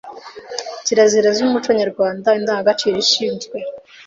Kirazira z’umuco Nyarwanda: Indangagaciro ishinzwe